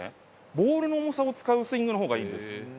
ボールの重さを使うスイングのほうがいいんです。